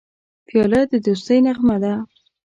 پیاله د دوستی نغمه ده.